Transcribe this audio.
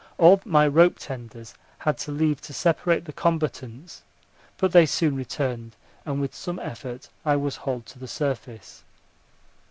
All my rope tenders had to leave to separate the combatants; but they soon returned, and with some effort I was hauled to the surface.